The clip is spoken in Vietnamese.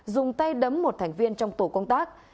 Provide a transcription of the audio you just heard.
dùng tay đấm một thành viên trong tổ công tác